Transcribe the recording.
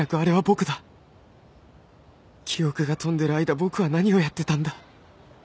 記憶が飛んでる間僕は何をやってたんだ？